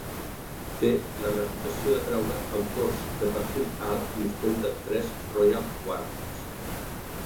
Té la reputació d'atraure autors de perfil alt i ostenta tres Royal Warrants.